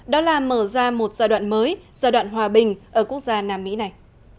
đó là mở ra một giai đoạn mới giai đoạn hòa bình ở quốc gia nam mỹ này